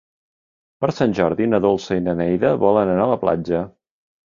Per Sant Jordi na Dolça i na Neida volen anar a la platja.